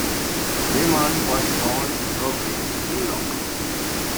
Raymond was born in Brooklyn, New York.